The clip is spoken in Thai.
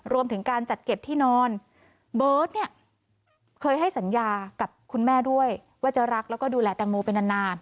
รวมถึงการจัดเก็บที่นอนเบิร์ตเนี่ยเคยให้สัญญากับคุณแม่ด้วยว่าจะรักแล้วก็ดูแลแตงโมไปนาน